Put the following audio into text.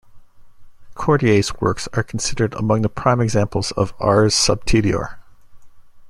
Cordier's works are considered among the prime examples of ars subtilior.